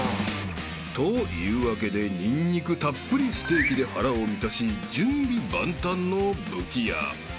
［というわけでニンニクたっぷりステーキで腹を満たし準備万端の武器屋］